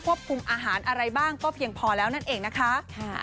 คุมอาหารอะไรบ้างก็เพียงพอแล้วนั่นเองนะคะ